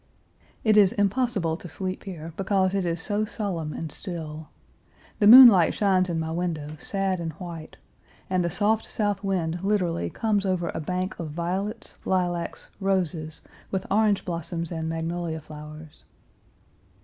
It is impossible to sleep here, because it is so solemn and still. The moonlight shines in my window sad and white, and the soft south wind, literally comes over a bank of violets, lilacs, roses, with orange blossoms and magnolia flowers.